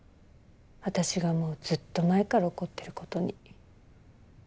私がもうずっと前から怒ってることに。